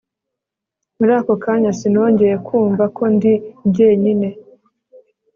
muri ako kanya, sinongeye kumva ko ndi jyenyine